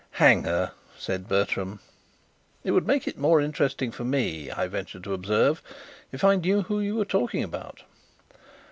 "Hang her!" said Bertram. "It would make it more interesting for me," I ventured to observe, "if I knew who you were talking about."